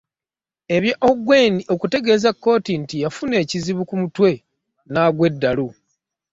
Ebya Ongwen okutegeeza kkooti nti yafuna ekizibu ku mutwe n'agwa eddalu